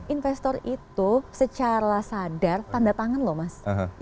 investor itu secara sadar tanda tangan loh mas